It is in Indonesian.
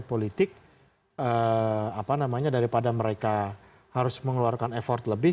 politik daripada mereka harus mengeluarkan effort lebih